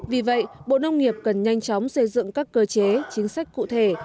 vì vậy bộ nông nghiệp cần nhanh chóng xây dựng các cơ chế chính sách cụ thể